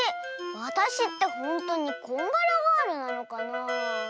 わたしってほんとにこんがらガールなのかなあ。